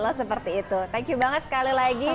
loh seperti itu thank you banget sekali lagi